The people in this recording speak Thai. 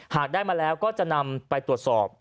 หากได้มาแล้วก็จะนำไปตรวจสอบ